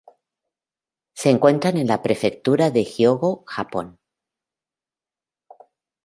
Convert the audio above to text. Se encuentran en la prefectura de Hyōgo, Japón.